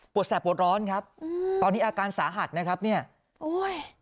แสบปวดร้อนครับอืมตอนนี้อาการสาหัสนะครับเนี่ยโอ้ย